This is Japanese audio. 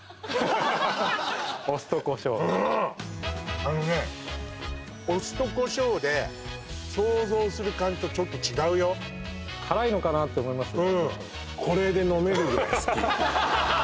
あのねお酢とこしょうで想像する感じとちょっと違うよ辛いのかなって思いますよね